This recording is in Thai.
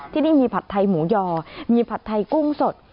ที่นี่มีผัดไทยหมูยอมีผัดไทยกุ้งสด